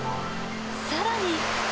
さらに。